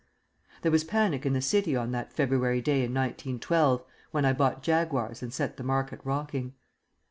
There was panic in the City on that February day in 1912 when I bought Jaguars and set the market rocking.